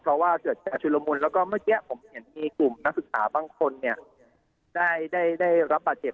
เพราะว่าเกิดชุดละมุนแล้วก็เมื่อกี้ผมเห็นมีกลุ่มนักศึกษาบางคนเนี่ยได้รับบาดเจ็บ